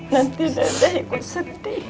nanti dia ikut sedih